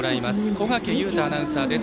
小掛雄太アナウンサーです。